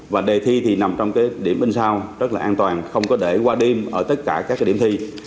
và đề thi thì nằm trong cái điểm bên sau rất là an toàn không có để qua đêm ở tất cả các điểm thi